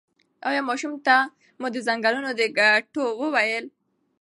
ایا ماشومانو ته مو د ځنګلونو د ګټو وویل؟